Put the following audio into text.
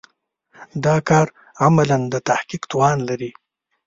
دا کار عملاً د تحقق توان لري.